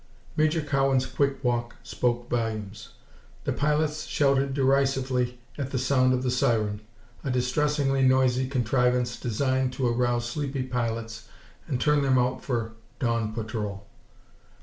Major Cowan's quick walk spoke volumes. The pilots shouted derisively at the sound of the siren, a distressingly noisy contrivance designed to arouse sleepy pilots and turn them out for dawn patrol.